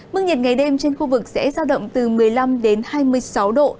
mức nhiệt ngày đêm trên khu vực sẽ giao động từ một mươi năm đến hai mươi sáu độ